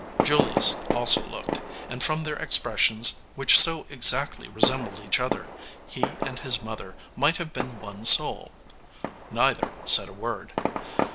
Julius also looked, and from their expressions, which so exactly resembled each other, he and his mother might have been one soul. Neither said a word.